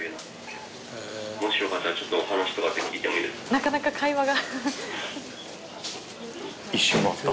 なかなか会話が。